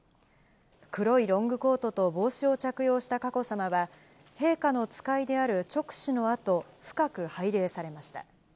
黒いロングコートと帽子を着用した佳子さまは、陛下の使いである勅使のあと、深く拝礼されました。